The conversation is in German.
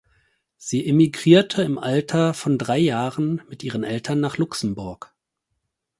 Sie emigrierte im Alter von drei Jahren mit ihren Eltern nach Luxemburg.